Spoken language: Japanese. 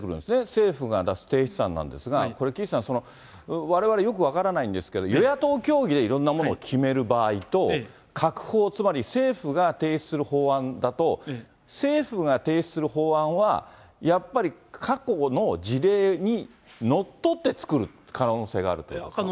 政府が出す提出案なんですが、これ岸さん、われわれよく分からないんですけれども、与野党協議でいろんなものを決める場合と、閣法、つまり政府が提出する法案だと、政府が提出する法案は、やっぱり過去の事例にのっとって作る可能性があるということですか。